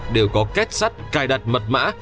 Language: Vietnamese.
đều có kết sắt cài đặt mật mã